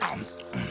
うん。